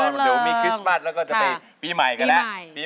มันจะมีคริสต์มัสแล้วก็จะไป